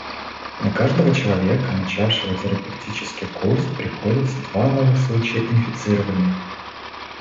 На каждого человека, начавшего терапевтический курс, приходятся два новых случая инфицирования.